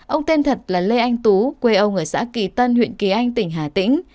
ông tên thật là lê anh tú quê ông ở xã kỳ tân huyện kỳ anh tỉnh hà tĩnh